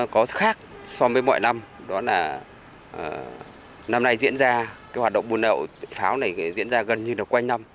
có khác so với mọi năm đó là năm nay diễn ra hoạt động bùn nậu pháo này diễn ra gần như là quanh năm